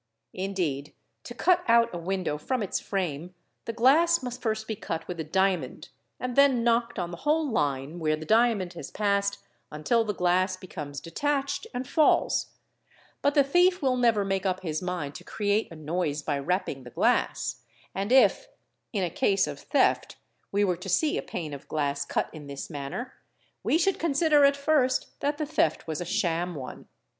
Indeed, to cut out a window from its frame the — glass must first be cut with a diamond and then knocked on the whole line where the diamond has passed until the glass becomes detached and falls; but the thief will never make up his mind to create a noise by rapping the glass; and if, in a case of theft, we were to see a pane of glass cut in this manner, we should consider at first that the theft was a — sham one.